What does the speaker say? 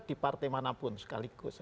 di partai manapun sekaligus